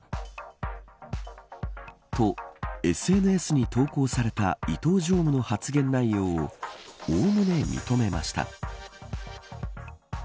とＳＮＳに投稿された伊東常務の発言内容をおおむね認めました。